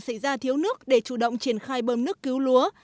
xảy ra thiếu nước để chủ động triển khai bơm nước cứu lúa